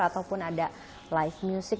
ataupun ada live music